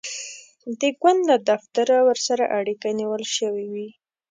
د ګوند له دفتره ورسره اړیکه نیول شوې وي.